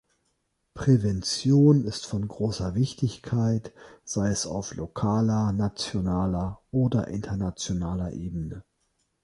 Prävention ist von großer Wichtigkeit, sei es auf lokaler, nationaler oder internationaler Ebene.